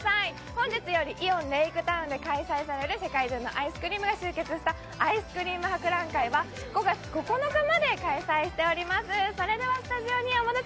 本日よりイオンレイクタウンで開催される世界中のアイスクリームが集結したアイスクリーム博覧会は５月９日まで開催しています。